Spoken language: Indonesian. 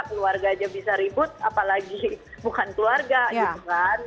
keluarga aja bisa ribut apalagi bukan keluarga gitu kan